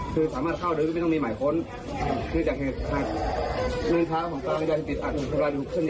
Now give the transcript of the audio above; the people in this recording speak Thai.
คือสามารถเข้าหรือไม่ต้องมีหมายค้นเนื่องจากเหตุภาพเงินค้าของการยาศิกษ์อัดอุตสรรายทุกขึ้นย้ายนะครับ